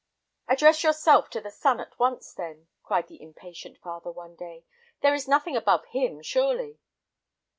"Address yourself to the sun at once, then," cried the impatient father one day; "there is nothing above him, surely."